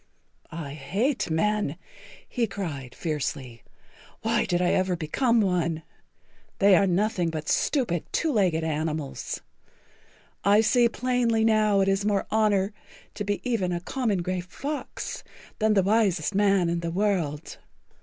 "I hate men," he cried fiercely. "Why did I ever become one? They are nothing but stupid, two legged animals. I see plainly now that it is more honor to be even a common gray fox than the wisest man in the world.